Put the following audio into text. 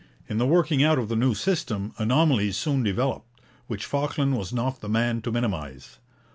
In the working out of the new system anomalies soon developed, which Falkland was not the man to minimize.